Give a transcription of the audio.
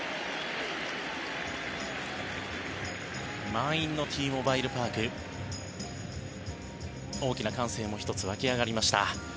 満員のＴモバイル・パーク大きな歓声も１つ、沸き上がりました。